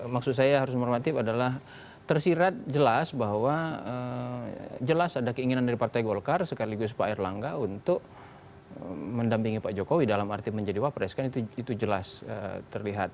maksud saya harus normatif adalah tersirat jelas bahwa jelas ada keinginan dari partai golkar sekaligus pak erlangga untuk mendampingi pak jokowi dalam arti menjadi wapres kan itu jelas terlihat